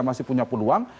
masih punya peluang